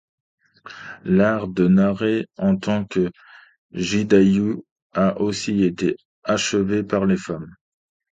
L’art de narrer en tant que gidayû a aussi été achevé par les femmes.